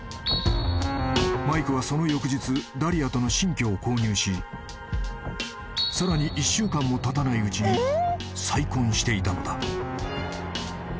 ［マイクはその翌日ダリアとの新居を購入しさらに１週間もたたないうちに再婚していたのだ］